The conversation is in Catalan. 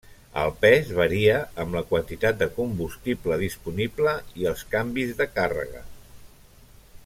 El pes varia amb la quantitat de combustible disponible i els canvis de càrrega.